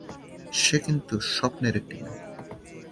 সে কিন্তু স্বপ্নের একটি মেয়ে।